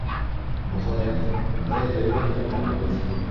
Моғайын, берәй һәйбәт нәмә булыр.